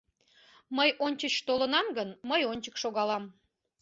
Мый ончыч толынам гын, мый ончык шогалам.